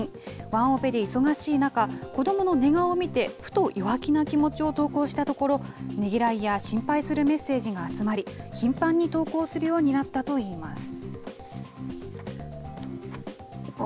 ワンオペで忙しい中、子どもの寝顔を見て、ふと弱気な気持ちを投稿したところ、ねぎらいや心配するメッセージが集まり、頻繁に投稿するようになったといいます。